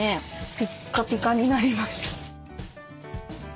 ピッカピカになりました。